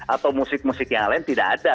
atau musik musik yang lain tidak ada